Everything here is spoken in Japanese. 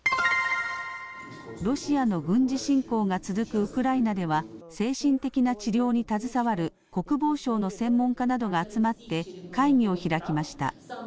ロシアの軍事侵攻が続くウクライナでは精神的な治療に携わる国防省の専門家などが集まって会議を開きました。